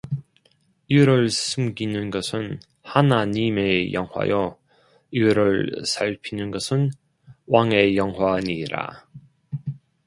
일을 숨기는 것은 하나님의 영화요 일을 살피는 것은 왕의 영화니라